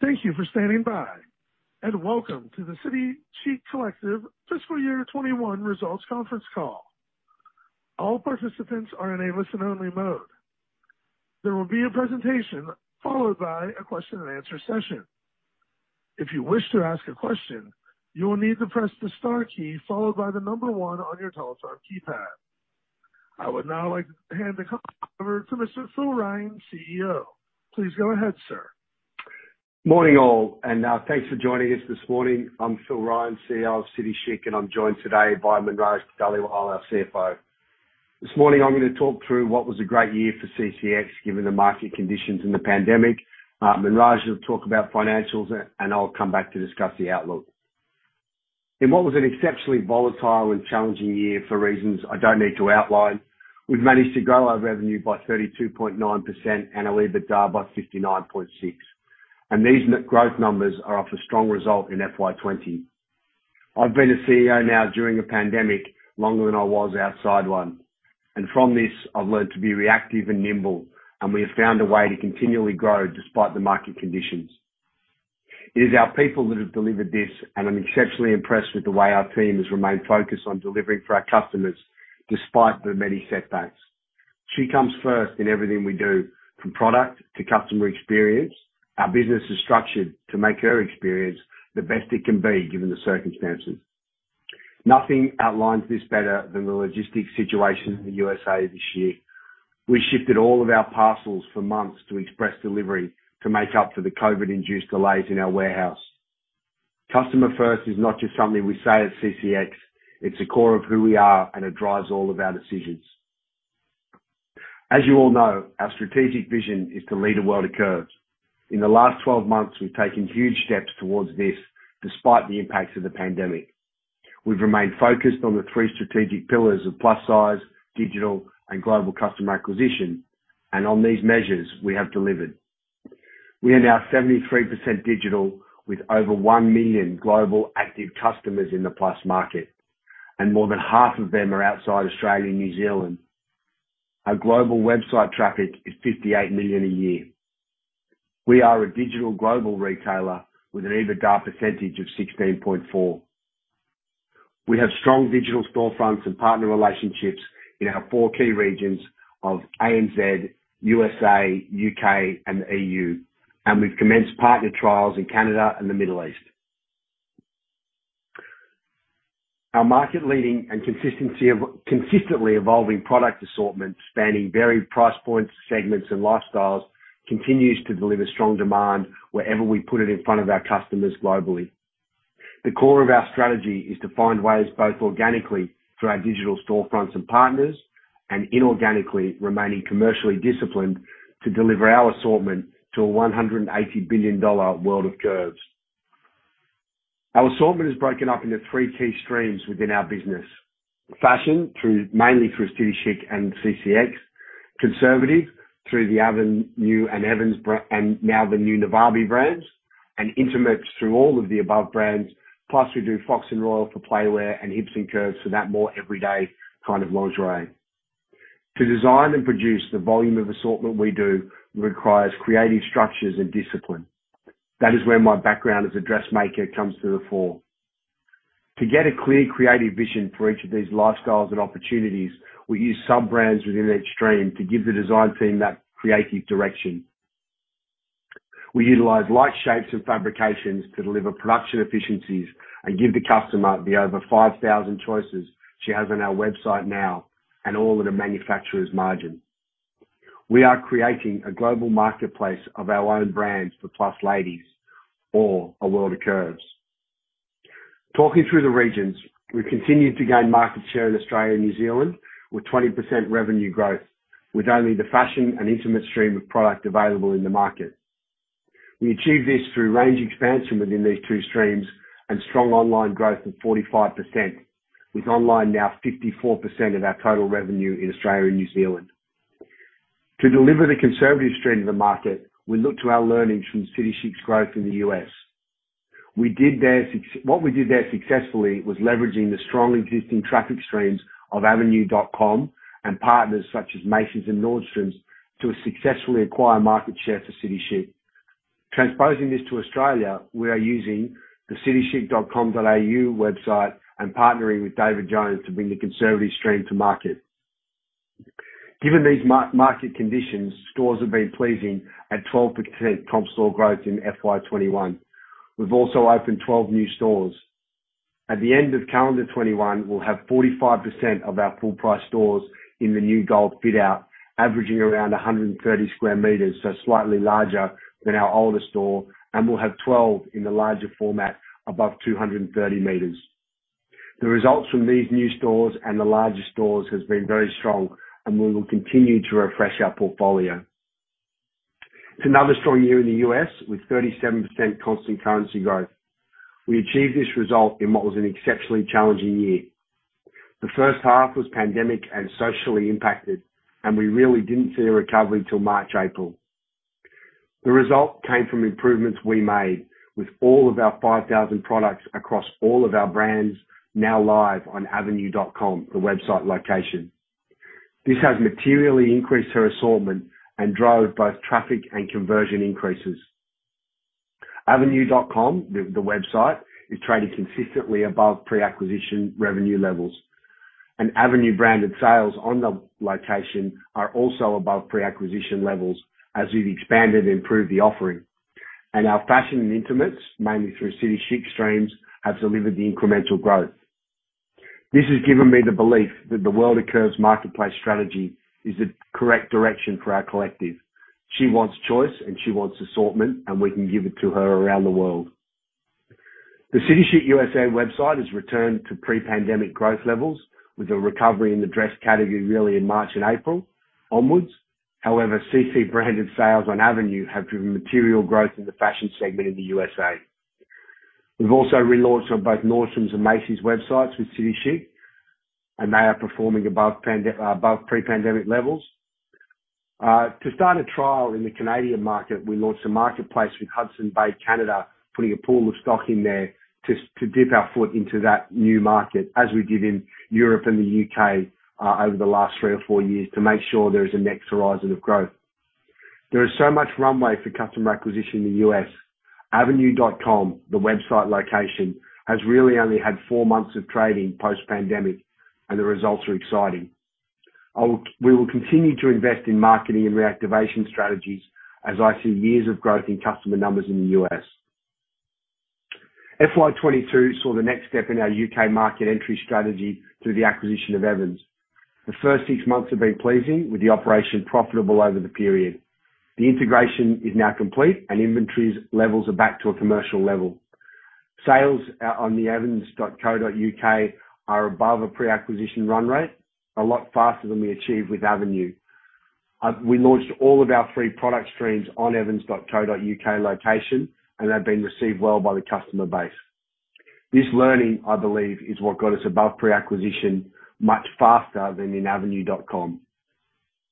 Thank you for standing by, and welcome to the City Chic Collective fiscal year 2021 results conference call. All participants are in a listen-only mode. There will be a presentation, followed by a question and answer session. If you wish to ask a question, you will need to press the star key followed by the number one on your telephone keypad. I would now like to hand the call over to Mr. Phil Ryan, CEO. Please go ahead, sir. Morning all, thanks for joining us this morning. I'm Phil Ryan, CEO of City Chic, and I'm joined today by Munraj Dhaliwal, our CFO. This morning I'm going to talk through what was a great year for CCX given the market conditions and the pandemic. Munraj will talk about financials, and I'll come back to discuss the outlook. In what was an exceptionally volatile and challenging year for reasons I don't need to outline, we've managed to grow our revenue by 32.9% and our EBITDA by 59.6%. These net growth numbers are off a strong result in FY 2020. I've been a CEO now during a pandemic longer than I was outside one, and from this, I've learned to be reactive and nimble, and we have found a way to continually grow despite the market conditions. It is our people that have delivered this, and I'm exceptionally impressed with the way our team has remained focused on delivering for our customers despite the many setbacks. She comes first in everything we do, from product to customer experience. Our business is structured to make her experience the best it can be given the circumstances. Nothing outlines this better than the logistics situation in the USA this year. We shifted all of our parcels for months to express delivery to make up for the COVID-induced delays in our warehouse. Customer first is not just something we say at CCX, it's the core of who we are and it drives all of our decisions. As you all know, our strategic vision is to lead A World of Curves. In the last 12 months, we've taken huge steps towards this, despite the impacts of the pandemic. We've remained focused on the three strategic pillars of plus-size, digital, and global customer acquisition, and on these measures, we have delivered. We are now 73% digital with over 1 million global active customers in the plus market, and more than half of them are outside Australia and New Zealand. Our global website traffic is 58 million a year. We are a digital global retailer with an EBITDA percentage of 16.4. We have strong digital storefronts and partner relationships in our four key regions of ANZ, USA, U.K., and the EU, and we've commenced partner trials in Canada and the Middle East. Our market-leading and consistently evolving product assortment, spanning varied price points, segments, and lifestyles, continues to deliver strong demand wherever we put it in front of our customers globally. The core of our strategy is to find ways both organically, through our digital storefronts and partners, and inorganically, remaining commercially disciplined to deliver our assortment to an 180 billion dollar World of Curves. Our assortment is broken up into three key streams within our business. Fashion, mainly through City Chic and CCX. Conservative through the Avenue and now the new Navabi brands, and intimates through all of the above brands. Plus, we do Fox & Royal for playwear and Hips & Curves for that more everyday kind of lingerie. To design and produce the volume of assortment we do requires creative structures and discipline. That is where my background as a dressmaker comes to the fore. To get a clear creative vision for each of these lifestyles and opportunities, we use sub-brands within each stream to give the design team that creative direction. We utilize light shapes and fabrications to deliver production efficiencies and give the customer the over 5,000 choices she has on our website now, and all at a manufacturer's margin. We are creating a global marketplace of our own brands for plus ladies or a World of Curves. Talking through the regions, we've continued to gain market share in Australia and New Zealand with 20% revenue growth, with only the fashion and intimate stream of product available in the market. We achieved this through range expansion within these two streams and strong online growth of 45%, with online now 54% of our total revenue in Australia and New Zealand. To deliver the conservative stream to market, we look to our learnings from City Chic's growth in the U.S. What we did there successfully was leveraging the strong existing traffic streams of avenue.com and partners such as Macy's and Nordstrom to successfully acquire market share for City Chic. Transposing this to Australia, we are using the citychic.com.au website and partnering with David Jones to bring the conservative stream to market. Given these market conditions, stores have been pleasing at 12% comp store growth in FY 2021. We've also opened 12 new stores. At the end of calendar 2021, we'll have 45% of our full-price stores in the new gold fit-out, averaging around 130 sq mi, so slightly larger than our older store, and we'll have 12 in the larger format above 230 mi. The results from these new stores and the larger stores has been very strong, and we will continue to refresh our portfolio. It's another strong year in the U.S. with 37% constant currency growth. We achieved this result in what was an exceptionally challenging year. The first half was pandemic and socially impacted, and we really didn't see a recovery till March, April. The result came from improvements we made with all of our 5,000 products across all of our brands now live on avenue.com, the website location. This has materially increased her assortment and drove both traffic and conversion increases. avenue.com, the website, is trading consistently above pre-acquisition revenue levels. Avenue-branded sales on the location are also above pre-acquisition levels as we've expanded and improved the offering. Our fashion and intimates, mainly through City Chic streams, have delivered the incremental growth. This has given me the belief that the World of Curves marketplace strategy is the correct direction for our Collective. She wants choice, and she wants assortment, and we can give it to her around the world. The City Chic U.S. website has returned to pre-pandemic growth levels, with a recovery in the dress category really in March and April onwards. However, City Chic branded sales on Avenue have driven material growth in the fashion segment in the U.S.A. We've also relaunched on both Nordstrom and Macy's websites with City Chic, and they are performing above pre-pandemic levels. To start a trial in the Canadian market, we launched a marketplace with Hudson's Bay Canada, putting a pool of stock in there to dip our foot into that new market, as we did in Europe and the U.K. over the last three or four years, to make sure there is a next horizon of growth. There is so much runway for customer acquisition in the U.S. avenue.com, the website location, has really only had four months of trading post-pandemic, and the results are exciting. We will continue to invest in marketing and reactivation strategies as I see years of growth in customer numbers in the U.S. FY 2022 saw the next step in our U.K. market entry strategy through the acquisition of Evans. The first six months have been pleasing, with the operation profitable over the period. The integration is now complete and inventories levels are back to a commercial level. Sales on the evans.co.uk are above a pre-acquisition run rate, a lot faster than we achieved with Avenue. We launched all of our three product streams on evans.co.uk location, and they've been received well by the customer base. This learning, I believe, is what got us above pre-acquisition much faster than in avenue.com.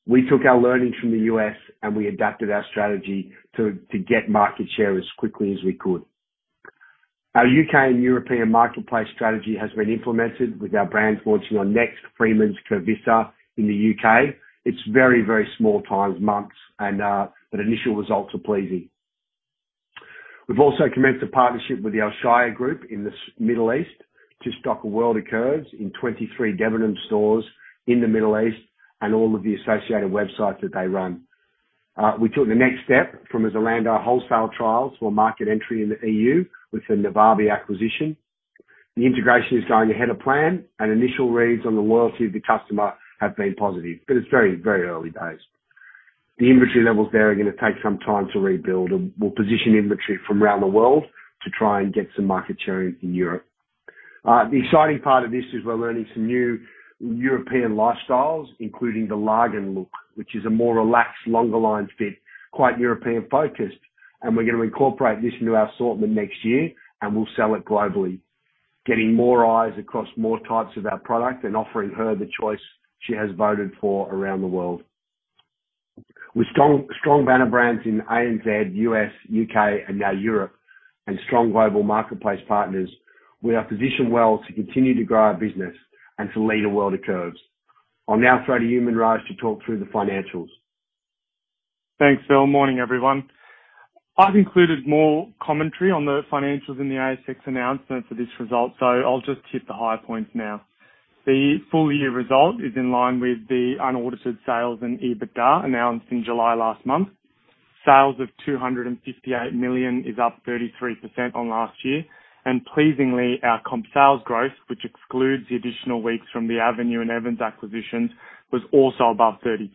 We took our learnings from the U.S., and we adapted our strategy to get market share as quickly as we could. Our U.K. and European marketplace strategy has been implemented with our brands launching on Next, Freemans, Curvissa in the U.K. It's very, very small times months and initial results are pleasing. We've also commenced a partnership with the Alshaya Group in the Middle East to stock A World of Curves in 23 Debenhams stores in the Middle East and all of the associated websites that they run. We took the next step from our Zalando wholesale trials for market entry in the E.U. with the Navabi acquisition. The integration is going ahead of plan, and initial reads on the loyalty of the customer have been positive, but it's very, very early days. The inventory levels there are going to take some time to rebuild, and we'll position inventory from around the world to try and get some market share in Europe. The exciting part of this is we're learning some new European lifestyles, including the Lagenlook, which is a more relaxed, longer line fit, quite European-focused, and we're going to incorporate this into our assortment next year, and we'll sell it globally. Getting more eyes across more types of our product and offering her the choice she has voted for around the world. With strong banner brands in ANZ, U.S., U.K., and now Europe, and strong global marketplace partners, we are positioned well to continue to grow our business and to lead A World of Curves. I'll now throw to Munraj to talk through the financials. Thanks, Phil. Morning, everyone. I've included more commentary on the financials in the ASX announcement for this result. I'll just hit the high points now. The full-year result is in line with the unaudited sales and EBITDA announced in July last month. Sales of 258 million is up 33% on last year. Pleasingly, our comp sales growth, which excludes the additional weeks from the Avenue and Evans acquisitions, was also above 30%.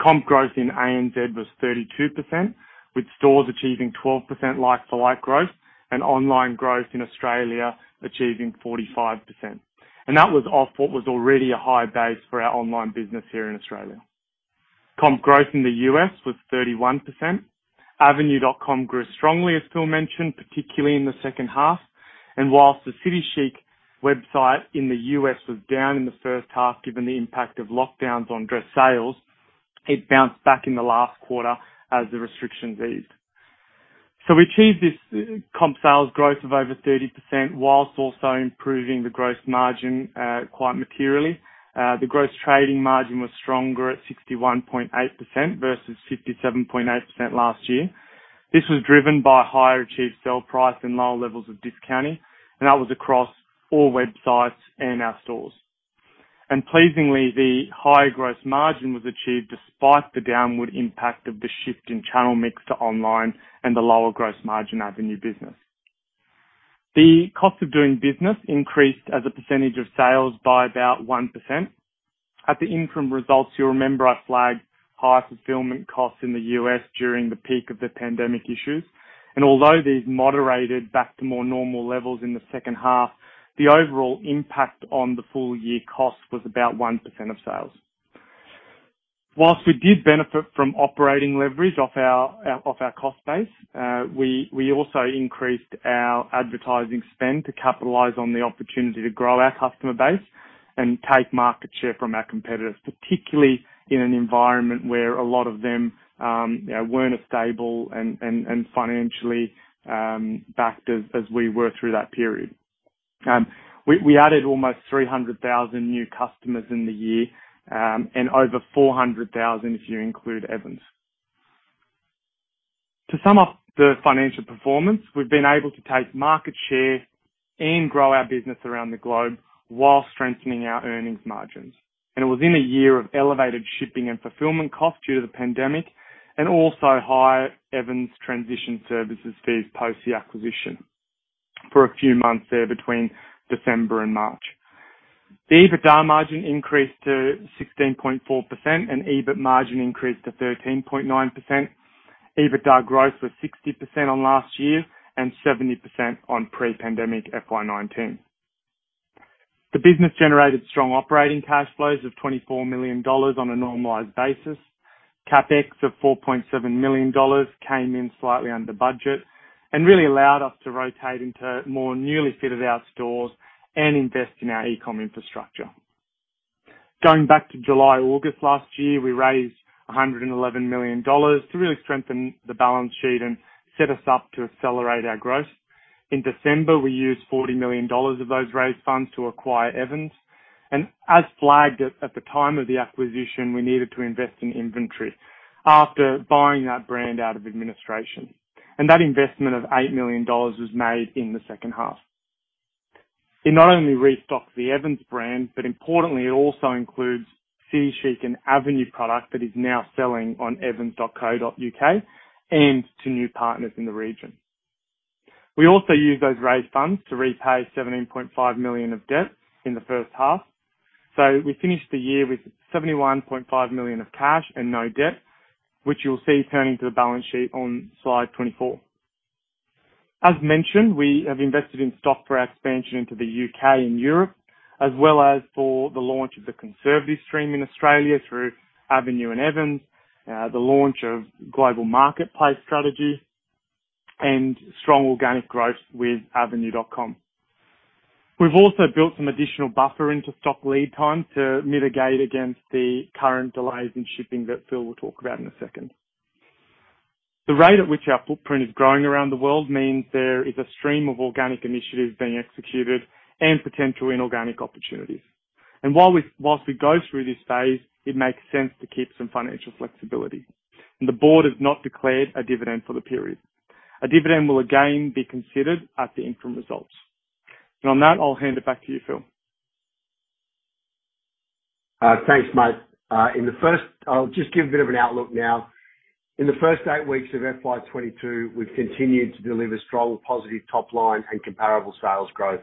Comp growth in ANZ was 32%, with stores achieving 12% like-for-like growth and online growth in Australia achieving 45%. That was off what was already a high base for our online business here in Australia. Comp growth in the U.S. was 31%. avenue.com grew strongly, as Phil mentioned, particularly in the second half. Whilst the City Chic website in the U.S. was down in the first half, given the impact of lockdowns on dress sales, it bounced back in the last quarter as the restrictions eased. We achieved this comp sales growth of over 30%, whilst also improving the gross margin quite materially. The gross trading margin was stronger at 61.8% versus 57.8% last year. This was driven by higher achieved sale price and lower levels of discounting, and that was across all websites and our stores. Pleasingly, the higher gross margin was achieved despite the downward impact of the shift in channel mix to online and the lower gross margin Avenue business. The cost of doing business increased as a percentage of sales by about 1%. At the interim results, you'll remember I flagged high fulfillment costs in the U.S. during the peak of the pandemic issues. Although these moderated back to more normal levels in the second half, the overall impact on the full-year cost was about 1% of sales. Whilst we did benefit from operating leverage off our cost base, we also increased our advertising spend to capitalize on the opportunity to grow our customer base and take market share from our competitors, particularly in an environment where a lot of them weren't as stable and financially backed as we were through that period. We added almost 300,000 new customers in the year, and over 400,000 if you include Evans. To sum up the financial performance, we've been able to take market share and grow our business around the globe while strengthening our earnings margins. Within a year of elevated shipping and fulfillment costs due to the pandemic, and also high Evans transition services fees post the acquisition for a few months there between December and March. The EBITDA margin increased to 16.4%, and EBIT margin increased to 13.9%. EBITDA growth was 60% on last year and 70% on pre-pandemic FY 2019. The business generated strong operating cash flows of 24 million dollars on a normalized basis. CapEx of 4.7 million dollars came in slightly under budget and really allowed us to rotate into more newly fitted-out stores and invest in our e-com infrastructure. Going back to July, August last year, we raised 111 million dollars to really strengthen the balance sheet and set us up to accelerate our growth. In December, we used 40 million dollars of those raised funds to acquire Evans, and as flagged at the time of the acquisition, we needed to invest in inventory after buying that brand out of administration. That investment of 8 million dollars was made in the second half. It not only restocked the Evans brand, but importantly, it also includes City Chic and Avenue product that is now selling on evans.co.uk and to new partners in the region. We also used those raised funds to repay 17.5 million of debt in the first half. We finished the year with 71.5 million of cash and no debt, which you'll see turning to the balance sheet on slide 24. As mentioned, we have invested in stock for our expansion into the U.K. and Europe, as well as for the launch of the World of Curves in Australia through Avenue and Evans, the launch of global marketplace strategy, and strong organic growth with avenue.com. We've also built some additional buffer into stock lead time to mitigate against the current delays in shipping that Phil will talk about in a second. The rate at which our footprint is growing around the world means there is a stream of organic initiatives being executed and potential inorganic opportunities. While we go through this phase, it makes sense to keep some financial flexibility. The board has not declared a dividend for the period. A dividend will again be considered at the interim results. On that, I'll hand it back to you, Phil. Thanks, mate. I'll just give a bit of an outlook now. In the first eight weeks of FY 2022, we've continued to deliver strong positive top line and comparable sales growth.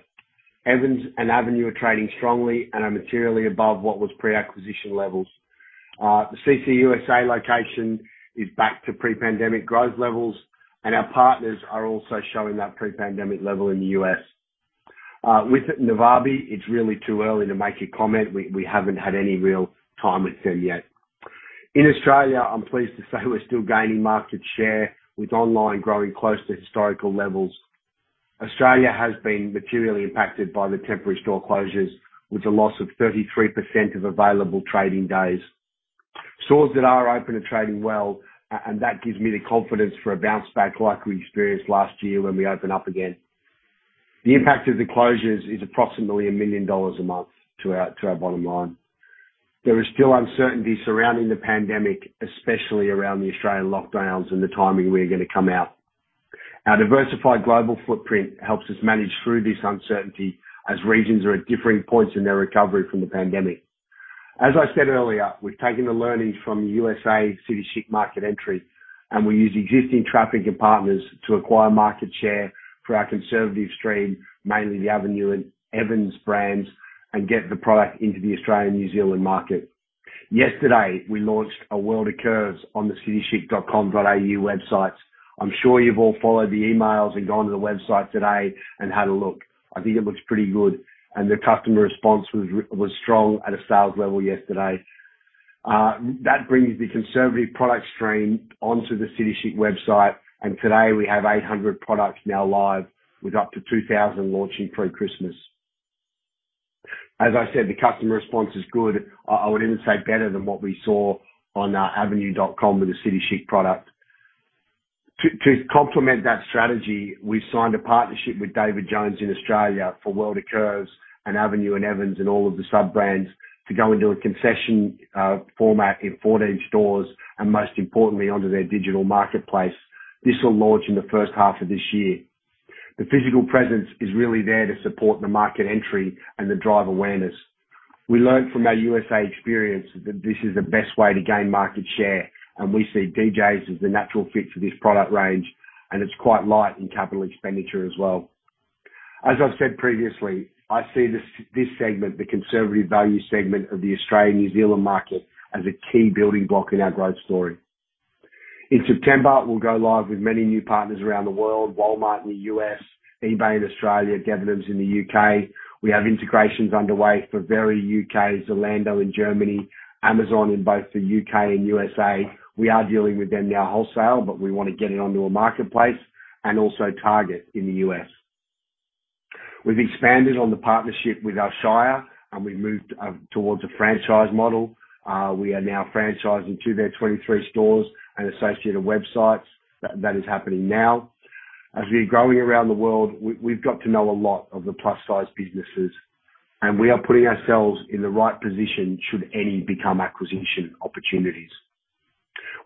Evans and Avenue are trading strongly and are materially above what was pre-acquisition levels. The City Chic U.S.A. location is back to pre-pandemic growth levels, and our partners are also showing that pre-pandemic level in the U.S. With Navabi, it's really too early to make a comment. We haven't had any real time with them yet. In Australia, I'm pleased to say we're still gaining market share, with online growing close to historical levels. Australia has been materially impacted by the temporary store closures, with a loss of 33% of available trading days. Stores that are open are trading well. That gives me the confidence for a bounce back like we experienced last year when we open up again. The impact of the closures is approximately 1 million dollars a month to our bottom line. There is still uncertainty surrounding the pandemic, especially around the Australian lockdowns and the timing we're going to come out. Our diversified global footprint helps us manage through this uncertainty as regions are at differing points in their recovery from the pandemic. As I said earlier, we've taken the learnings from U.S.A. City Chic market entry, we use existing traffic and partners to acquire market share for our conservative stream, mainly the Avenue and Evans brands, and get the product into the Australian/New Zealand market. Yesterday, we launched A World of Curves on the citychic.com.au websites. I'm sure you've all followed the emails and gone to the website today and had a look. I think it looks pretty good, the customer response was strong at a sales level yesterday. That brings the conservative product stream onto the City Chic website, and today we have 800 products now live, with up to 2,000 launching pre-Christmas. As I said, the customer response is good. I would even say better than what we saw on avenue.com with the City Chic product. To complement that strategy, we've signed a partnership with David Jones in Australia for World of Curves and Avenue and Evans and all of the sub-brands to go into a concession format in 14 stores, and most importantly, onto their digital marketplace. This will launch in the first half of this year. The physical presence is really there to support the market entry and to drive awareness. We learned from our U.S.A. experience that this is the best way to gain market share, and we see DJs as the natural fit for this product range, and it's quite light in capital expenditure as well. As I've said previously, I see this segment, the conservative value segment of the Australian/New Zealand market, as a key building block in our growth story. In September, we'll go live with many new partners around the world, Walmart in the U.S., eBay in Australia, Debenhams in the U.K. We have integrations underway for Very U.K., Zalando in Germany, Amazon in both the U.K. and U.S.A. We are dealing with them now wholesale, but we want to get it onto a marketplace, and also Target in the U.S. We've expanded on the partnership with Alshaya, and we've moved towards a franchise model. We are now franchising two of their 23 stores and associated websites. That is happening now. As we're growing around the world, we've got to know a lot of the plus-size businesses. We are putting ourselves in the right position should any become acquisition opportunities.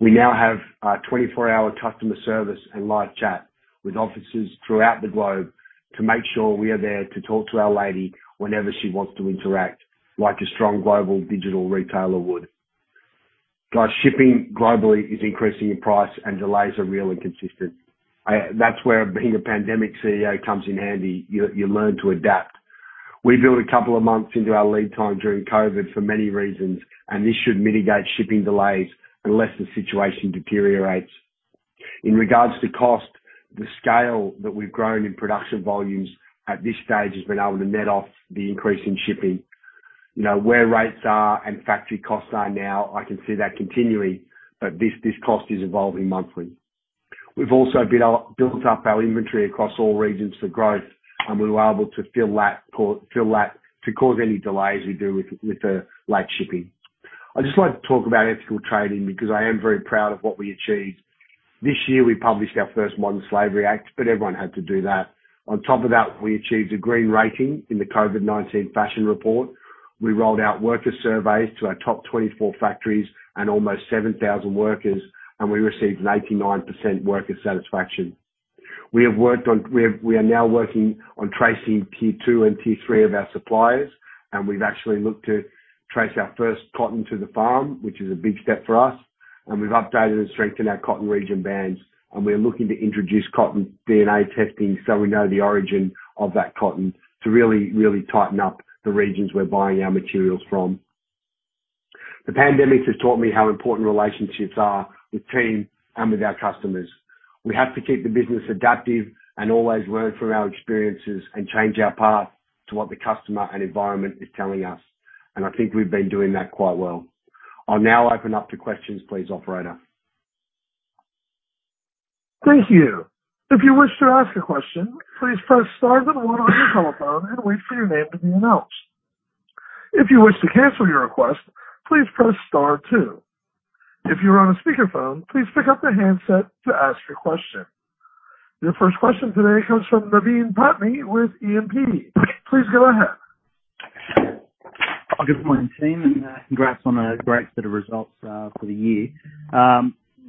We now have a 24-hour customer service and live chat with offices throughout the globe to make sure we are there to talk to our lady whenever she wants to interact, like a strong global digital retailer would. Guys, shipping globally is increasing in price and delays are real and consistent. That's where being a pandemic CEO comes in handy. You learn to adapt. We built a couple of months into our lead time during COVID for many reasons, and this should mitigate shipping delays unless the situation deteriorates. Regarding cost, the scale that we've grown in production volumes at this stage has been able to net off the increase in shipping. Where rates are and factory costs are now, I can see that continuing, this cost is evolving monthly. We've also built up our inventory across all regions for growth, we were able to fill that to cause any delays we do with the late shipping. I'd just like to talk about ethical trading because I am very proud of what we achieved. This year we published our first Modern Slavery Act, everyone had to do that. On top of that, we achieved a green rating in the COVID Fashion Report. We rolled out worker surveys to our top 24 factories and almost 7,000 workers, we received an 89% worker satisfaction. We are now working on tracing tier two and tier three of our suppliers, and we've actually looked to trace our first cotton to the farm, which is a big step for us. We've updated and strengthened our cotton region bans, and we are looking to introduce cotton DNA testing so we know the origin of that cotton to really tighten up the regions we're buying our materials from. The pandemic has taught me how important relationships are with team and with our customers. We have to keep the business adaptive and always learn from our experiences and change our path to what the customer and environment is telling us. I think we've been doing that quite well. I'll now open up to questions, please operator. Your first question today comes from Naveen Patney with E&P. Please go ahead. Good morning, team. Congrats on a great set of results for the year.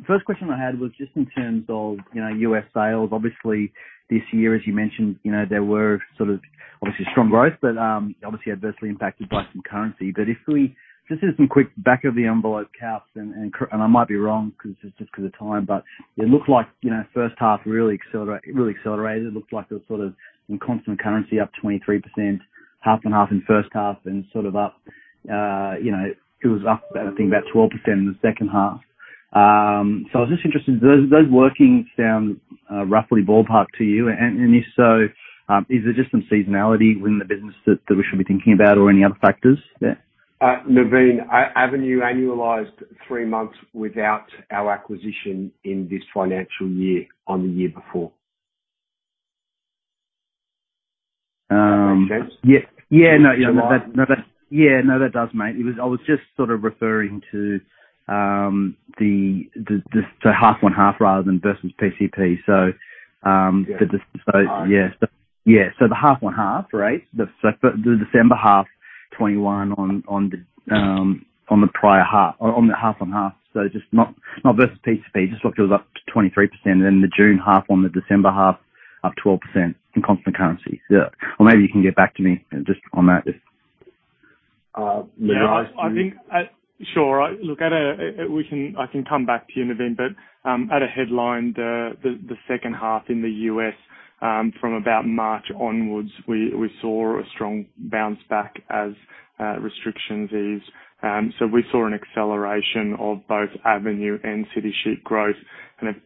First question I had was just in terms of U.S. sales. Obviously, this year, as you mentioned, there were obviously strong growth but obviously adversely impacted by some currency. If we just did some quick back of the envelope caps, and I might be wrong because it's just because of time, but it looks like first half really accelerated. It looks like it was in constant currency up 23%, half and half in first half and it was up, I think about 12% in the second half. I was just interested, does those workings sound roughly ballpark to you? If so, is there just some seasonality within the business that we should be thinking about or any other factors there? Naveen, Avenue annualized three months without our acquisition in this financial year on the year before. Makes sense? Yeah. No, that does, mate. I was just sort of referring to half one half rather than versus PCP. Yeah. Yeah. The half one half, right? The December half 21 on the half on half. Just not versus PCP, just thought it was up to 23%. The June half on the December half up 12% in constant currency. Yeah. Maybe you can get back to me just on that if. Yeah. Sure. Look, I can come back to you, Naveen, at a headline, the second half in the U.S., from about March onwards, we saw a strong bounce back as restrictions eased. We saw an acceleration of both Avenue and City Chic growth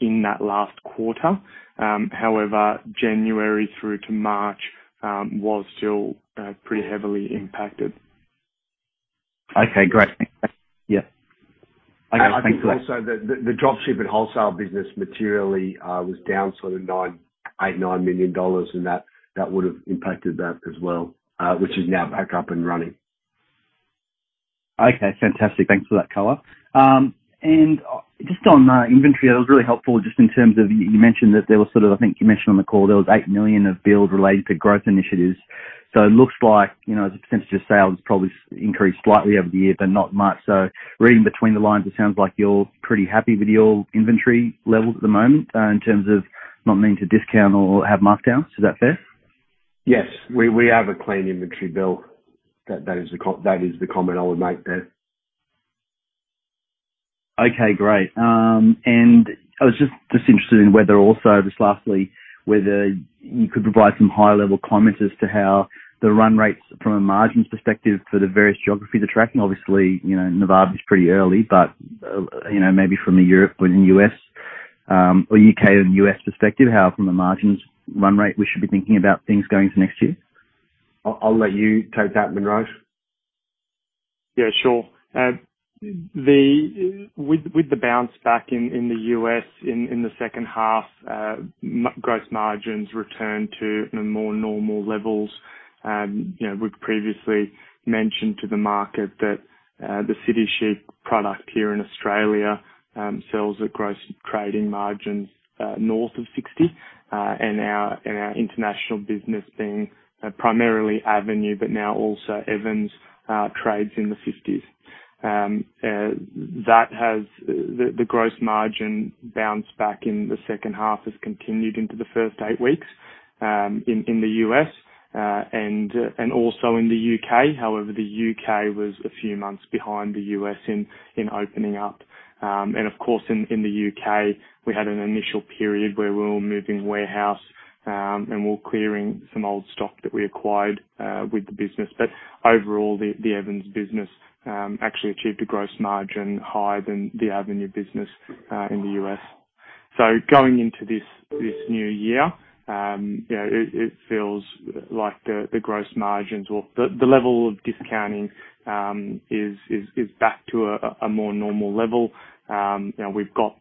in that last quarter. However, January through to March, was still pretty heavily impacted. Okay, great. Thanks. Yeah. I think also the drop ship and wholesale business materially was down sort of 8 million, 9 million dollars, and that would've impacted that as well, which is now back up and running. Okay, fantastic. Thanks for that color. Just on inventory, that was really helpful just in terms of you mentioned that there was I think you mentioned on the call there was 8 million of build related to growth initiatives. It looks like, as a percentage of sales, probably increased slightly over the year, but not much. Reading between the lines, it sounds like you're pretty happy with your inventory levels at the moment, in terms of not needing to discount or have markdowns. Is that fair? Yes. We have a clean inventory build. That is the comment I would make there. Okay, great. I was just interested in whether also, just lastly, whether you could provide some high-level comments as to how the run rates from a margins perspective for the various geographies are tracking. Obviously, Navabi is pretty early. Maybe from a Europe and U.S. or U.K. and U.S. perspective, how from the margins run rate we should be thinking about things going to next year? I'll let you take that, Munraj. With the bounce back in the U.S. in the second half, gross margins returned to more normal levels. We've previously mentioned to the market that the City Chic product here in Australia sells at gross trading margins north of 60. Our international business being primarily Avenue, but now also Evans trades in the 50s. The gross margin bounce back in the second half has continued into the first eight weeks in the U.S. and also in the U.K. However, the U.K. was a few months behind the U.S. in opening up. Of course, in the U.K., we had an initial period where we were moving warehouse, and we were clearing some old stock that we acquired with the business. Overall, the Evans business actually achieved a gross margin higher than the Avenue business in the U.S. Going into this new year, it feels like the gross margins or the level of discounting is back to a more normal level. We've got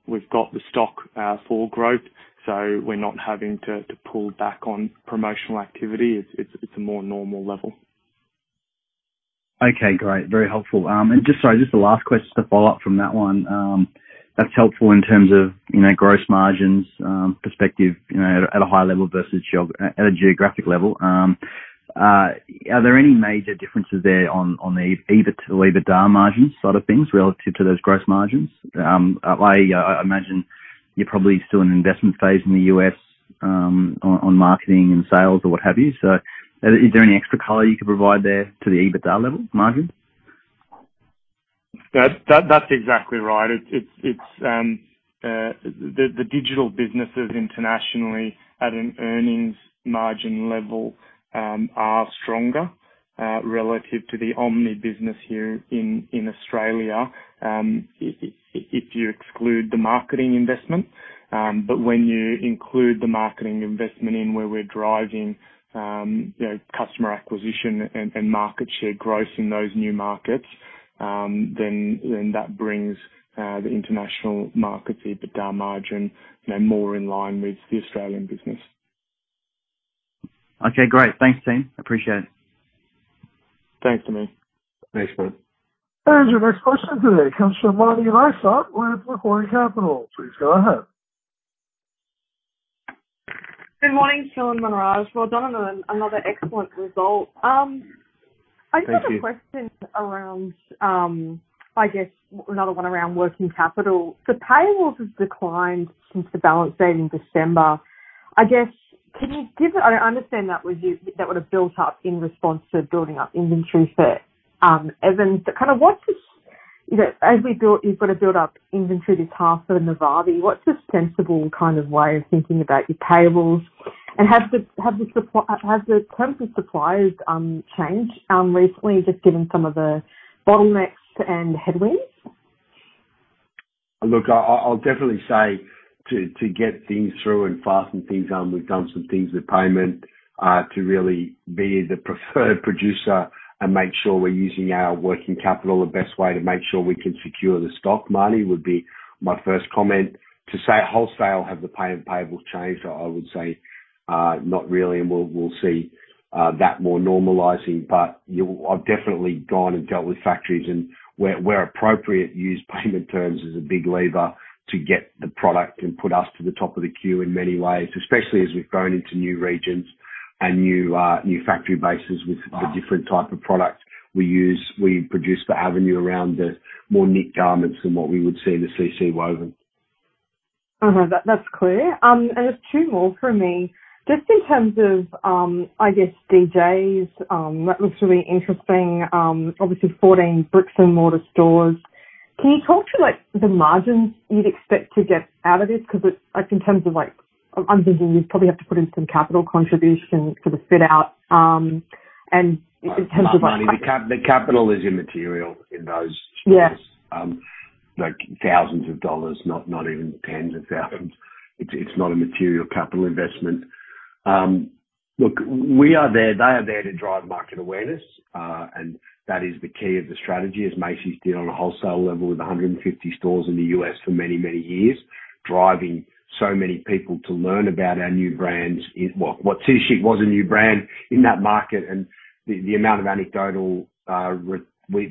the stock for growth, so we're not having to pull back on promotional activity. It's a more normal level. Okay, great. Very helpful. Just, sorry, just the last question to follow up from that one. That's helpful in terms of gross margins perspective at a high level versus at a geographic level. Are there any major differences there on the EBITDA margins side of things relative to those gross margins? I imagine you're probably still in an investment phase in the U.S. on marketing and sales or what have you. Is there any extra color you could provide there to the EBITDA level margin? That's exactly right. The digital businesses internationally at an earnings margin level are stronger relative to the omni business here in Australia, if you exclude the marketing investment. When you include the marketing investment in where we're driving customer acquisition and market share growth in those new markets, then that brings the international market's EBITDA margin more in line with the Australian business. Okay, great. Thanks, team. Appreciate it. Thanks, Tommy. Thanks, man. Your next question today comes from Marni Lysaght with Macquarie Capital. Please go ahead. Good morning, Phil, Munraj. Well done on another excellent result. Thank you. I just have a question, I guess, another one around working capital. Payables has declined since the balance date in December. I understand that would have built up in response to building up inventory for Evans. As we build, you've got to build up inventory this half for Navabi. What's a sensible way of thinking about your payables? Have the terms of suppliers changed recently, just given some of the bottlenecks and headwinds? Look, I'll definitely say to get things through and fasten things down, we've done some things with payment to really be the preferred producer and make sure we're using our working capital the best way to make sure we can secure the stock. Marni, would be my first comment. To say wholesale have the payables changed? I would say not really, and we'll see that more normalizing. I've definitely gone and dealt with factories, and where appropriate, used payment terms as a big lever to get the product and put us to the top of the queue in many ways, especially as we've grown into new regions and new factory bases with the different type of product we produce for Avenue around the more knit garments than what we would see in the CC woven. That's clear. There's two more from me. Just in terms of, I guess, DJs, that looks really interesting. Obviously, 14 bricks and mortar stores. Can you talk to the margins you'd expect to get out of this? Because I'm thinking you'd probably have to put in some capital contribution for the fit out. Marni, the capital is immaterial in those stores. Yes. Like thousands of AUD, not even tens of thousands of AUD. It's not a material capital investment. They are there to drive market awareness, and that is the key of the strategy, as Macy's did on a wholesale level with 150 stores in the U.S. for many, many years, driving so many people to learn about our new brands. City Chic was a new brand in that market, and the amount of anecdotal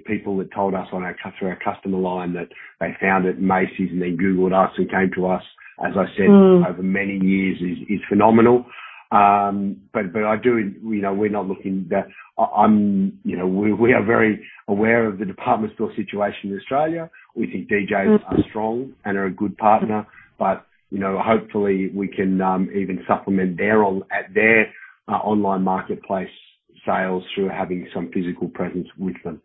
people that told us through our customer line that they found at Macy's and then Googled us and came to us, as I said over many years, is phenomenal. We are very aware of the department store situation in Australia. We think DJs are strong and are a good partner. Hopefully, we can even supplement their online marketplace sales through having some physical presence with them.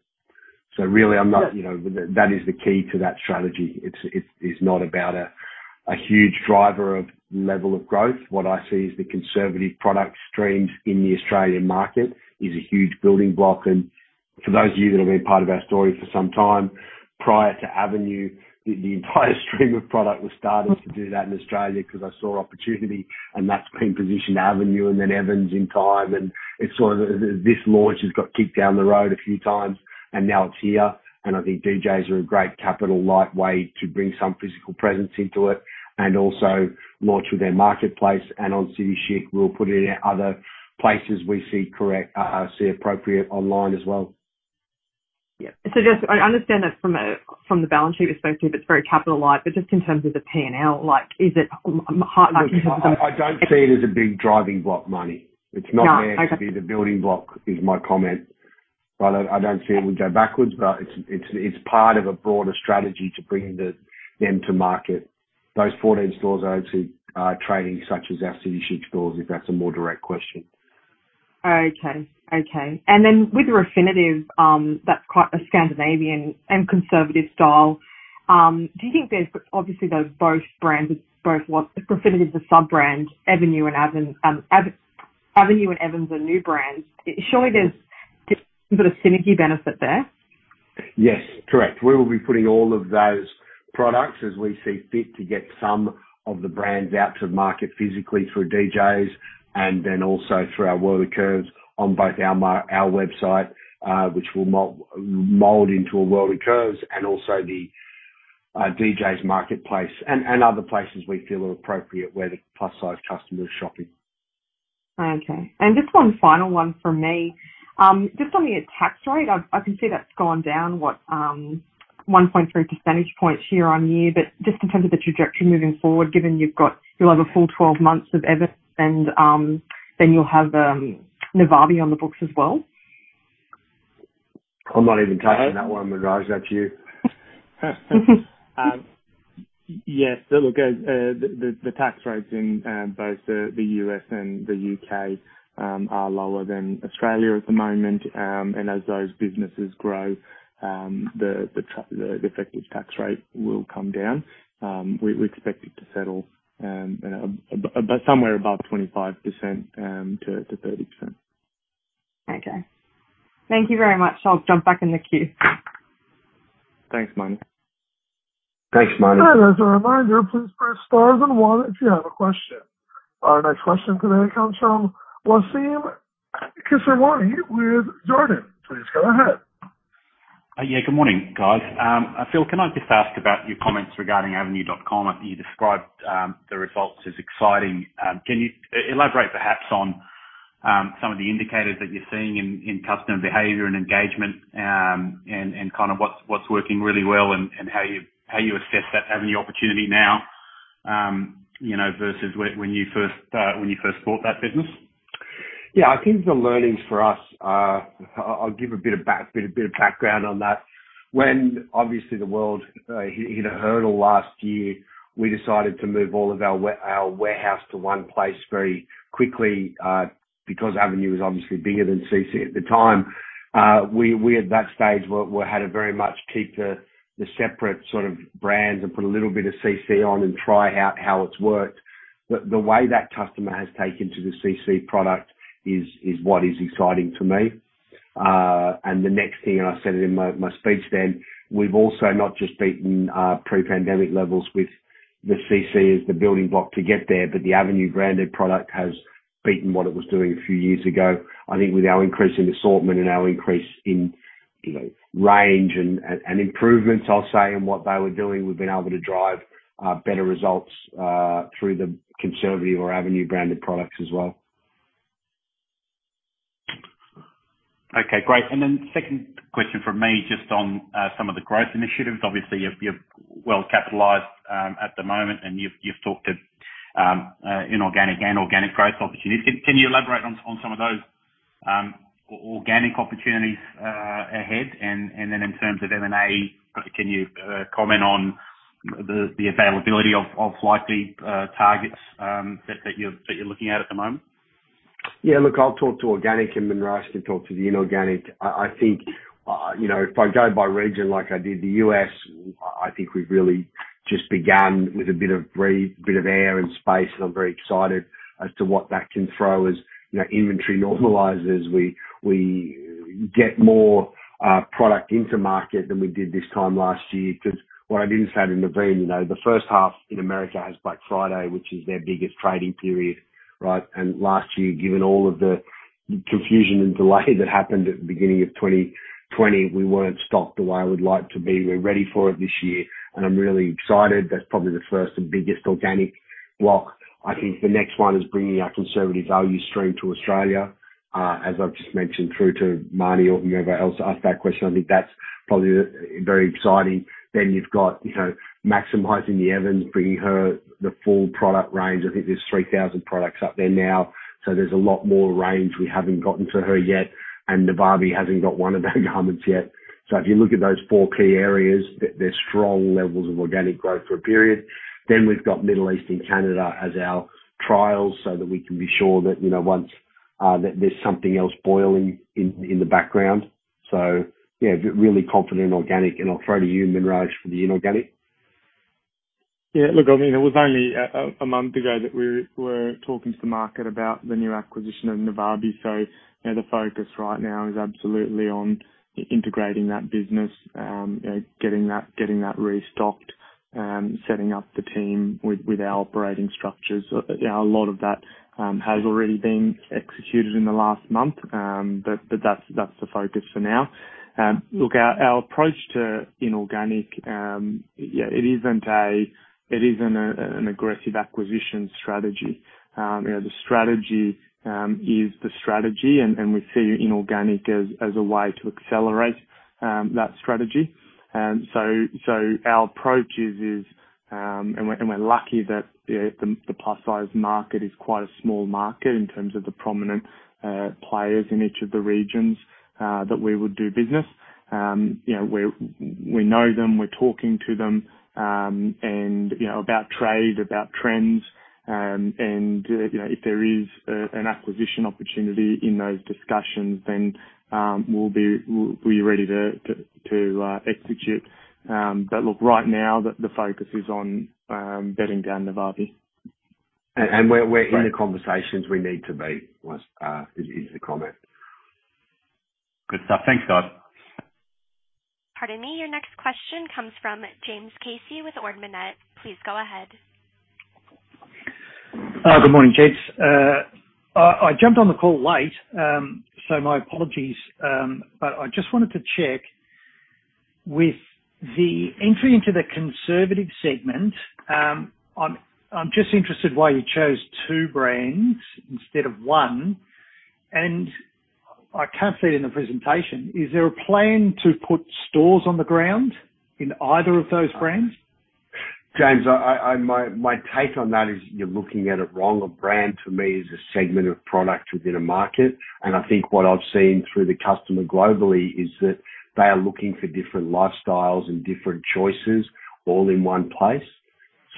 Really, that is the key to that strategy. It's not about a huge driver of level of growth. What I see is the conservative product streams in the Australian market is a huge building block. For those of you that have been part of our story for some time, prior to Avenue, the entire stream of product was started to do that in Australia because I saw opportunity, and that's been positioned Avenue and then Evans in time. This launch has got kicked down the road a few times, and now it's here. I think DJs are a great capital light way to bring some physical presence into it and also launch with their marketplace. On City Chic, we'll put it in other places we see appropriate online as well. Yep. I understand that from the balance sheet perspective, it's very capital light. Just in terms of the P&L, is it hard? I don't see it as a big driving block, Marni. It's not there to be the building block is my comment. Well, I don't see it would go backwards, but it's part of a broader strategy to bring them to market. Those 14 stores are open to trading, such as our City Chic stores, if that's a more direct question. Okay. With Navabi, that's quite a Scandinavian and conservative style. Obviously, they're both brands. Navabi is a sub-brand. Avenue and Evans are new brands. Surely there's some sort of synergy benefit there? Yes, correct. We will be putting all of those products as we see fit to get some of the brands out to the market physically through DJs, and then also through our World of Curves on both our website, which will mold into a World of Curves, and also the DJs marketplace and other places we feel are appropriate where the plus-size customer is shopping. Okay. Just one final one from me. Just on the tax rate, I can see that's gone down, what, 1.3 percentage points year on year. Just in terms of the trajectory moving forward, given you'll have a full 12 months of Evans and then you'll have Navabi on the books as well. I'm not even touching that one. Munraj, that's you. Yes. Look, the tax rates in both the U.S. and the U.K. are lower than Australia at the moment. As those businesses grow, the effective tax rate will come down. We expect it to settle somewhere above 25%-30%. Okay. Thank you very much. I'll jump back in the queue. Thanks, Marni. Thanks, Marni. As a reminder, please press star then one if you have a question. Our next question today comes from Wassim Kisirwani with Jarden. Please go ahead. Yeah. Good morning, guys. Phil, can I just ask about your comments regarding avenue.com? I think you described the results as exciting. Can you elaborate perhaps on some of the indicators that you're seeing in customer behavior and engagement, and kind of what's working really well, and how you assess that Avenue opportunity now versus when you first bought that business? Yeah. I think the learnings for us, I'll give a bit of background on that. When obviously the world hit a hurdle last year, we decided to move all of our warehouse to one place very quickly, because Avenue was obviously bigger than CC at the time. We, at that stage, had to very much keep the separate sort of brands and put a little bit of CC on and try out how it's worked. The way that customer has taken to the CC product is what is exciting for me. The next thing, and I said it in my speech then, we've also not just beaten pre-pandemic levels with the CC as the building block to get there, but the Avenue-branded product has beaten what it was doing a few years ago. I think with our increase in assortment and our increase in range and improvements, I'll say, in what they were doing, we've been able to drive better results through the City Chic or Avenue-branded products as well. Okay, great. Second question from me, just on some of the growth initiatives. Obviously, you're well capitalized at the moment, and you've talked to inorganic and organic growth opportunities. Can you elaborate on some of those organic opportunities ahead? In terms of M&A, can you comment on the availability of likely targets that you're looking at at the moment? Yeah. Look, I'll talk to organic and Munraj can talk to the inorganic. I think, if I go by region like I did the U.S., I think we've really just began with a bit of air and space, and I'm very excited as to what that can throw as inventory normalizes. We get more product into market than we did this time last year. What I didn't say in the beginning, the first half in America has Black Friday, which is their biggest trading period, right? Last year, given all of the confusion and delay that happened at the beginning of 2020, we weren't stocked the way I would like to be. We're ready for it this year, and I'm really excited. That's probably the first and biggest organic block. I think the next one is bringing our Conservative value stream to Australia. As I've just mentioned through to Marni or whomever else asked that question, I think that's probably very exciting. You've got maximizing the Evans, bringing her the full product range. I think there's 3,000 products up there now. There's a lot more range we haven't gotten to her yet. Navabi hasn't got one of our garments yet. If you look at those four key areas, they're strong levels of organic growth for a period. We've got Middle East and Canada as our trials so that we can be sure that there's something else boiling in the background. Yeah, really confident in organic, and I'll throw to you, Munraj, for the inorganic. Look, it was only a month ago that we were talking to the market about the new acquisition of Navabi. The focus right now is absolutely on integrating that business, getting that restocked, setting up the team with our operating structures. A lot of that has already been executed in the last month. That's the focus for now. Look, our approach to inorganic, it isn't an aggressive acquisition strategy. The strategy is the strategy. We see inorganic as a way to accelerate that strategy. Our approach is, and we're lucky that the plus-size market is quite a small market in terms of the prominent players in each of the regions that we would do business. We know them. We're talking to them about trade, about trends. If there is an acquisition opportunity in those discussions, then we're ready to execute. Look, right now, the focus is on bedding down Navabi. We're in the conversations we need to be, is the comment. Good stuff. Thanks, guys. Pardon me. Your next question comes from James Casey with Ord Minnett. Please go ahead. Good morning, gents. I jumped on the call late. My apologies. I just wanted to check with the entry into the conservative segment. I'm just interested why you chose two brands instead of one. I can't see it in the presentation. Is there a plan to put stores on the ground in either of those brands? James, my take on that is you're looking at it wrong. A brand to me is a segment of product within a market, and I think what I've seen through the customer globally is that they are looking for different lifestyles and different choices all in one place.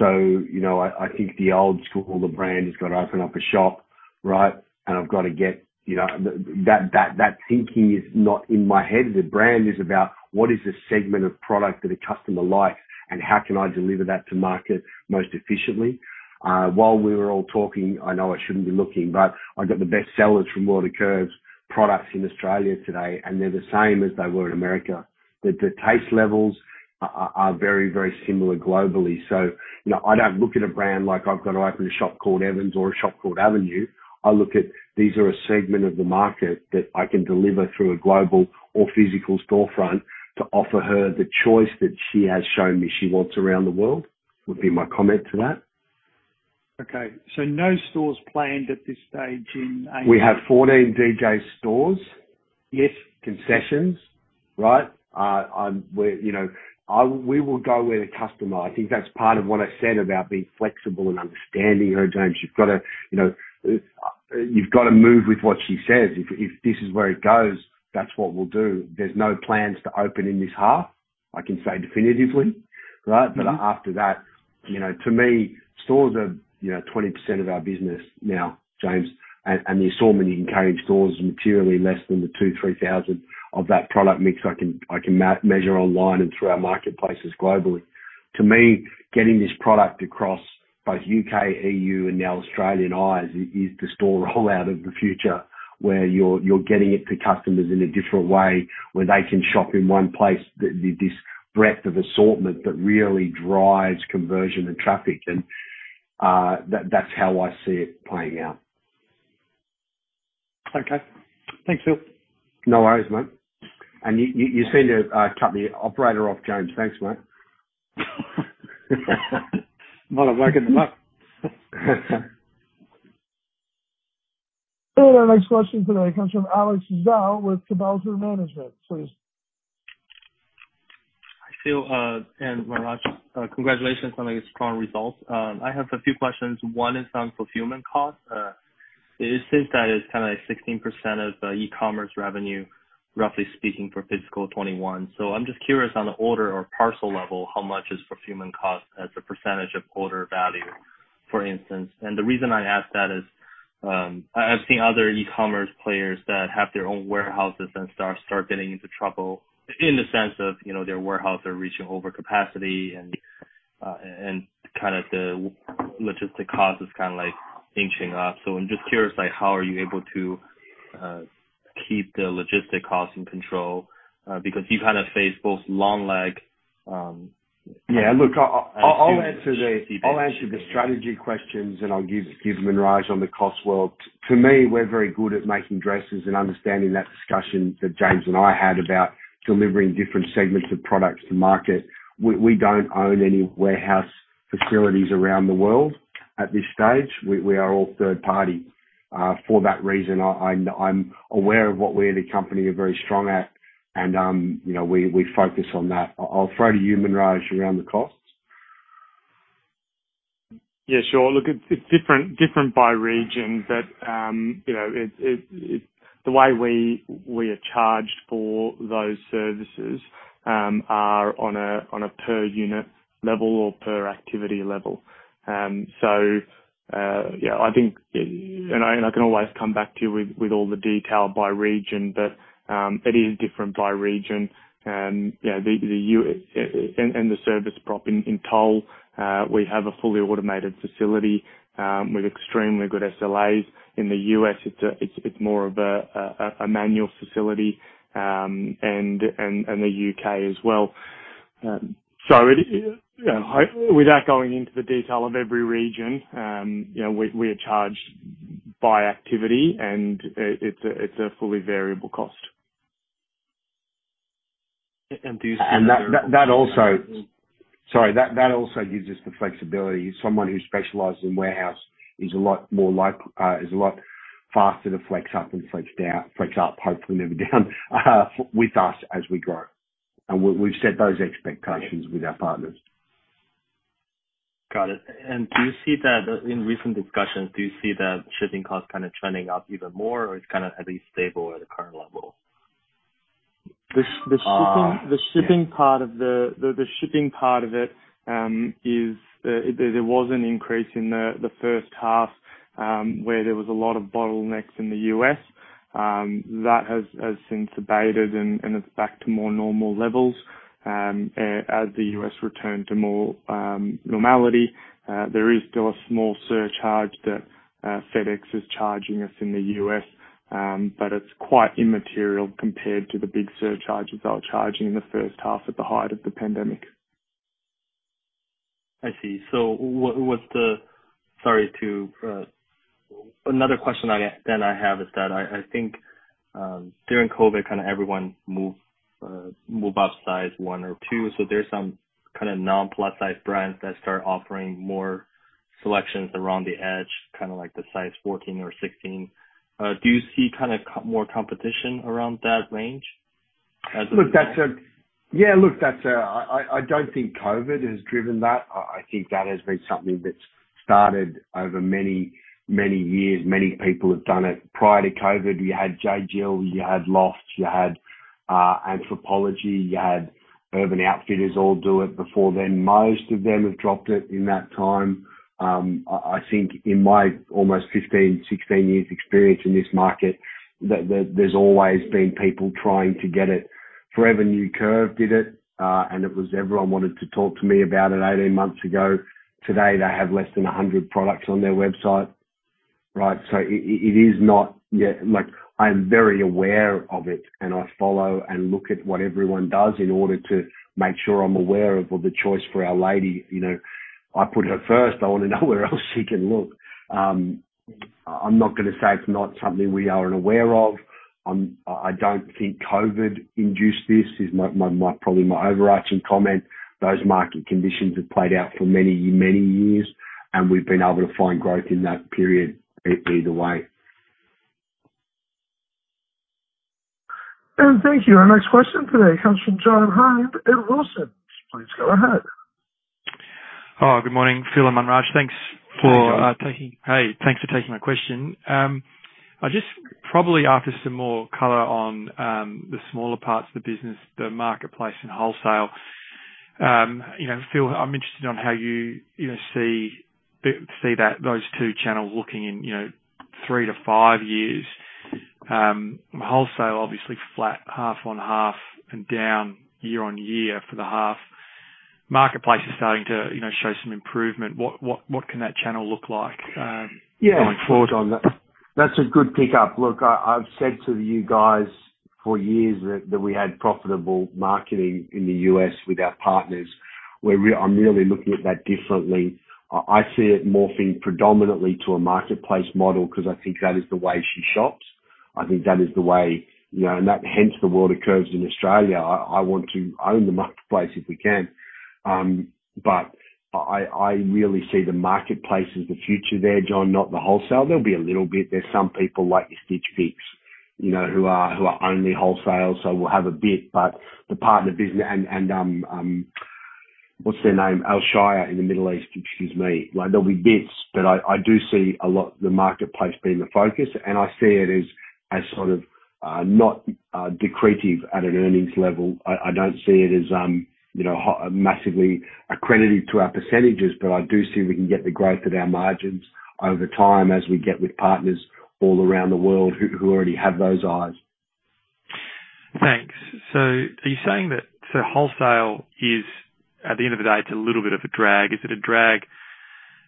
I think the old school, the brand has got to open up a shop, right? I've got to get that thinking is not in my head. The brand is about what is the segment of product that a customer likes and how can I deliver that to market most efficiently. While we were all talking, I know I shouldn't be looking, but I got the best sellers from World of Curves products in Australia today, and they're the same as they were in America. The taste levels are very similar globally. I don't look at a brand like I've got to open a shop called Evans or a shop called Avenue. I look at these are a segment of the market that I can deliver through a global or physical storefront to offer her the choice that she has shown me she wants around the world, would be my comment to that. Okay. No stores planned at this stage. We have 14 DJ stores. Yes. Concessions. Right? We will go where the customer are. I think that's part of what I said about being flexible and understanding her, James. You've got to move with what she says. If this is where it goes, that's what we'll do. There's no plans to open in this half, I can say definitively. Right. After that, to me, stores are 20% of our business now, James, and the assortment you can carry in stores is materially less than the 2,000-3,000 of that product mix I can measure online and through our marketplaces globally. To me, getting this product across both U.K., E.U., and now Australian eyes is the store rollout of the future, where you're getting it to customers in a different way, where they can shop in one place. This breadth of assortment that really drives conversion and traffic, and that's how I see it playing out. Okay. Thanks, Phil. No worries, mate. You seem to have cut the operator off, James. Thanks, mate. Might have woken him up. Our next question today comes from Alex Zhao with Kabouter Management. Please. Phil, and Manraj, congratulations on these strong results. I have a few questions. One is on fulfillment cost. It seems that it's kind of like 16% of the e-commerce revenue, roughly speaking, for FY 2021. I'm just curious on the order or parcel level, how much is fulfillment cost as a percentage of order value, for instance? The reason I ask that is, I've seen other e-commerce players that have their own warehouses and start getting into trouble in the sense of their warehouse are reaching over capacity and kind of the logistic cost is kind of inching up. I'm just curious, how are you able to keep the logistic costs in control? Because you've kind of faced both long lag. Yeah, look, I'll answer the strategy questions, and I'll give Munraj on the cost world. To me, we're very good at making dresses and understanding that discussion that James and I had about delivering different segments of products to market. We don't own any warehouse facilities around the world at this stage. We are all third party. For that reason, I'm aware of what we at the company are very strong at, and we focus on that. I'll throw to you, Munraj, around the costs. Yeah, sure. Look, it's different by region, but the way we are charged for those services are on a per unit level or per activity level. Yeah, I think, and I can always come back to you with all the detail by region. It is different by region. In the service prop in Toll, we have a fully automated facility with extremely good SLAs. In the U.S., it's more of a manual facility, and the U.K. as well. Without going into the detail of every region, we are charged by activity, and it's a fully variable cost. Do you see? That also gives us the flexibility. Someone who specialized in warehouse is a lot faster to flex up than flex down. Flex up, hopefully never down, with us as we grow. We've set those expectations with our partners. Got it. In recent discussions, do you see the shipping costs trending up even more, or it's kind of at least stable at the current level? The shipping part of it, there was an increase in the first half, where there was a lot of bottlenecks in the U.S. That has since abated, and it's back to more normal levels, as the U.S. return to more normality. There is still a small surcharge that FedEx is charging us in the U.S., but it's quite immaterial compared to the big surcharges they were charging in the first half at the height of the pandemic. I see. Another question then I have is that I think during COVID, kind of everyone moved up size one or two. There's some kind of non-plus size brands that start offering more selections around the edge, kind of like the size 14 or 16. Do you see more competition around that range? Yeah, look, I don't think COVID has driven that. I think that has been something that's started over many years. Many people have done it. Prior to COVID, you had J.Jill, you had Loft, you had Anthropologie, you had Urban Outfitters all do it before then. Most of them have dropped it in that time. I think in my almost 15, 16 years experience in this market, there's always been people trying to get it. Forever New Curve did it, and it was everyone wanted to talk to me about it 18 months ago. Today, they have less than 100 products on their website. Right? I am very aware of it, and I follow and look at what everyone does in order to make sure I'm aware of all the choice for our lady. I put her first. I want to know where else she can look. I'm not going to say it's not something we aren't aware of. I don't think COVID induced this, is probably my overarching comment. Those market conditions have played out for many years, and we've been able to find growth in that period either way. Thank you. Our next question today comes from John Hynd at Wilsons. Please go ahead. Oh, good morning, Phil Ryan and Munraj Dhaliwal. Hey, John. Hey, thanks for taking my question. I'm just probably after some more color on the smaller parts of the business, the marketplace and wholesale. Phil, I'm interested on how you see those two channels looking in three to five years. Wholesale, obviously flat half-on-half and down year-on-year for the half. Marketplace is starting to show some improvement. What can that channel look like going forward? That's a good pick-up. I've said to you guys for years that we had profitable marketing in the U.S. with our partners, where I'm really looking at that differently. I see it morphing predominantly to a marketplace model because I think that is the way she shops. I think that is the way, and hence the World of Curves in Australia. I want to own the marketplace if we can. I really see the marketplace as the future there, John, not the wholesale. There'll be a little bit. There's some people like your Stitch Fix who are only wholesale, we'll have a bit. The partner business and, what's their name? Alshaya in the Middle East. Excuse me. There'll be bits, I do see a lot the marketplace being the focus, I see it as sort of not dilutive at an earnings level. I don't see it as massively accretive to our percentages, but I do see we can get the growth of our margins over time as we get with partners all around the world who already have those eyes. Thanks. Are you saying that wholesale is, at the end of the day, it's a little bit of a drag? Is it a drag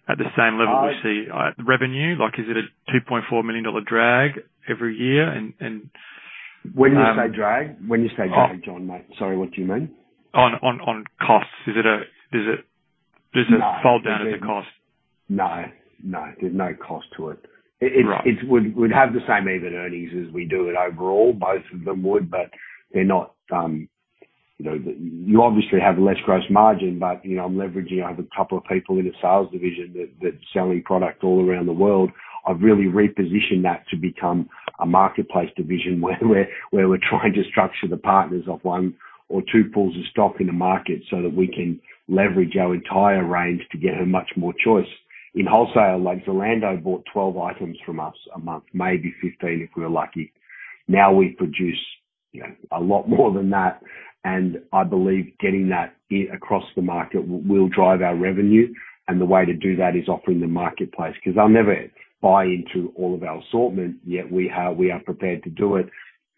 at the same level we see revenue? Is it a 2.4 million dollar drag every year? When you say drag, John, mate, sorry, what do you mean? On costs. No. Fall down as a cost? No. There's no cost to it. Right. We'd have the same EBITDA earnings as we do it overall. Both of them would, but they're not. You obviously have less gross margin, but I'm leveraging. I have a couple of people in the sales division that's selling product all around the world. I've really repositioned that to become a marketplace division where we're trying to structure the partners of one or two pools of stock in the market so that we can leverage our entire range to get her much more choice. In wholesale, like Zalando bought 12 items from us a month, maybe 15, if we're lucky. Now we produce a lot more than that, and I believe getting that across the market will drive our revenue, and the way to do that is offering the marketplace because they'll never buy into all of our assortment, yet we are prepared to do it.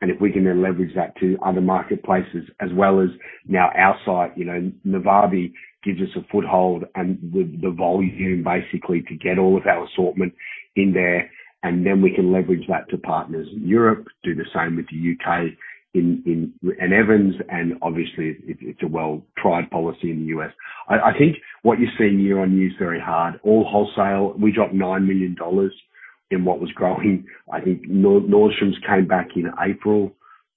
If we can then leverage that to other marketplaces as well as now our site, Navabi gives us a foothold and the volume basically to get all of our assortment in there, then we can leverage that to partners in Europe, do the same with the U.K. and Evans. Obviously, it's a well-tried policy in the U.S. What you're seeing year-over-year is very hard. All wholesale, we dropped 9 million dollars in what was growing. Nordstrom came back in April.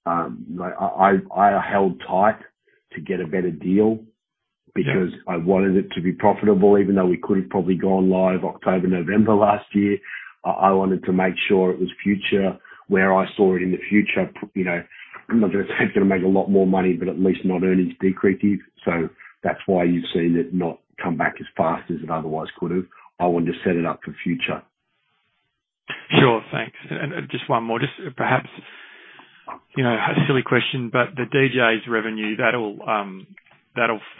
I held tight to get a better deal because I wanted it to be profitable, even though we could've probably gone live October, November last year. I wanted to make sure it was future, where I saw it in the future. I’m not going to say it’s going to make a lot more money, but at least not earnings decreative. That's why you've seen it not come back as fast as it otherwise could have. I wanted to set it up for future. Sure. Thanks. Just one more, just perhaps, a silly question, but the DJ's revenue,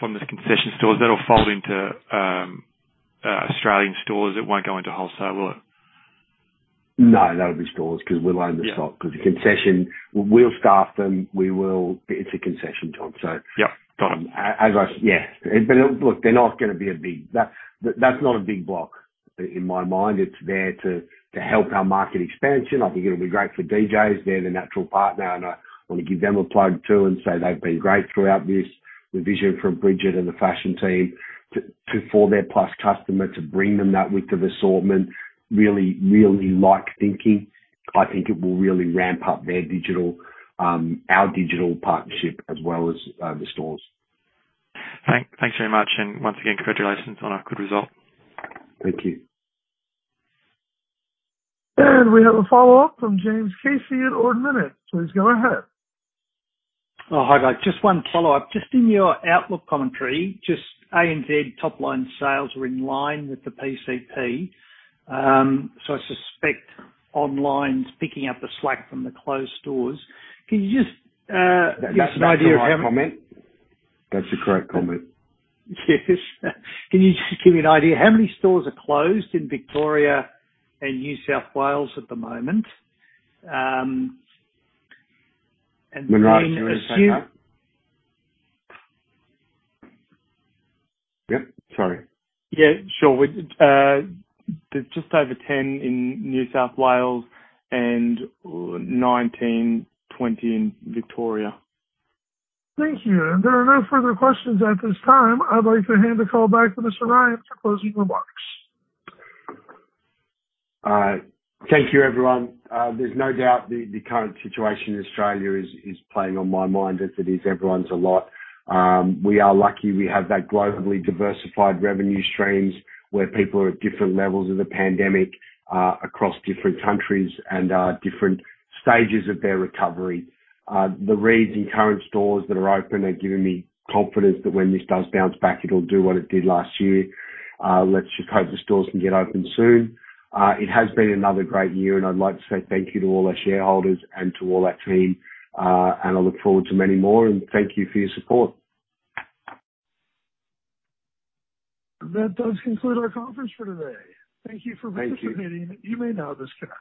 from the concession stores, that'll fold into Australian stores. It won't go into wholesale, will it? No, that'll be stores because we'll own the stock. Yeah. The concession, we'll staff them. It's a concession, Tom. Yep. Got it. Yeah. Look, that's not a big block in my mind. It's there to help our market expansion. I think it'll be great for DJs. They're the natural partner, and I want to give them a plug, too, and say they've been great throughout this. The vision from Bridget and the fashion team, for their plus customer to bring them that width of assortment, really like thinking. I think it will really ramp up our digital partnership as well as the stores. Thanks very much, and once again, congratulations on a good result. Thank you. We have a follow-up from James Casey at Ord Minnett. Please go ahead. Oh, hi, guys. Just one follow-up. Just in your outlook commentary, just ANZ top-line sales were in line with the PCP. I suspect online's picking up the slack from the closed stores. Can you just give us an idea of how. That's the right comment. That's the correct comment. Yes. Can you just give me an idea how many stores are closed in Victoria and New South Wales at the moment? Munraj, do you want to take that? Yep, sorry. Yeah, sure. There's just over 10 in New South Wales and 19, 20 in Victoria. Thank you. There are no further questions at this time. I'd like to hand the call back to Mr Phil for closing remarks. Thank you, everyone. There's no doubt the current situation in Australia is playing on my mind as it is everyone's a lot. We are lucky we have that globally diversified revenue streams where people are at different levels of the pandemic, across different countries and are different stages of their recovery. The reads in current stores that are open are giving me confidence that when this does bounce back, it'll do what it did last year. Let's hope the stores can get open soon. It has been another great year, and I'd like to say thank you to all our shareholders and to all our team. I look forward to many more, and thank you for your support. That does conclude our conference for today. Thank you for participating. Thank you. You may now disconnect.